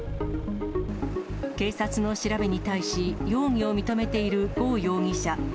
警察の調べに対し、容疑を認めている呉容疑者。